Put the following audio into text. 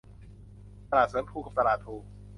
ตลาดสวนพลู กับ ตลาดพลู